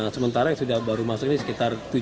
sementara yang sudah baru masuk ini sekitar tujuh delapan